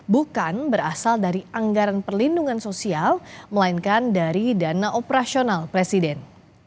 bukan berasal dari anggaran perlindungan sosial melainkan dari dana operasional presiden